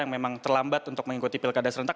yang memang terlambat untuk mengikuti pilkada serentak